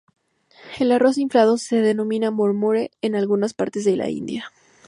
El arroz inflado se denomina "mur-mure" en algunas partes de la India.